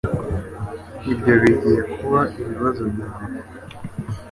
Ibyo bigiye kuba ibibazo byawe